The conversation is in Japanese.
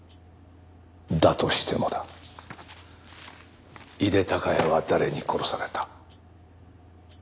だとしてもだ井手孝也は誰に殺された？